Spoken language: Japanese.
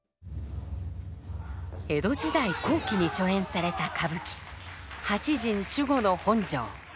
江戸時代後期に初演された歌舞伎「八陣守護城」。